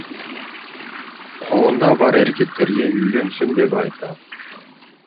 Колунда бар эркектерге үйлөнсүн деп айтам.